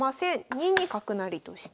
２二角成として。